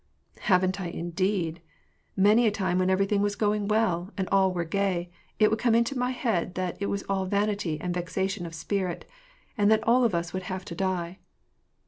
" Haven't I, indeed ! Many a time, when everything was going well, and all were gay, it would come into my head that it was all vanity and vexation of spirit, and that all of us would have to die.